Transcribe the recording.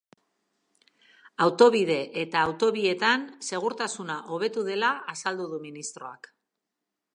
Autobide eta autobietan segurtasuna hobetu dela azaldu du ministroak.